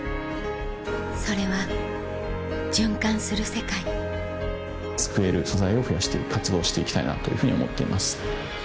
それは救える素材を増やして活動して行きたいなというふうに思っています。